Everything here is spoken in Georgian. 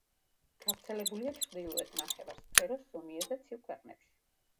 გავრცელებულია ჩრდილოეთ ნახევარსფეროს ზომიერ და ცივ ქვეყნებში.